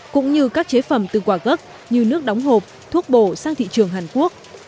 cũng như các chế phẩm từ quả gốc như nước đóng hộp thuốc bổ sang thị trường hàn quốc